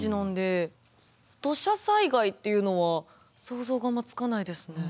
土砂災害っていうのは想像がつかないですね。